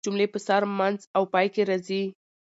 خبر د جملې په سر، منځ او پای کښي راځي.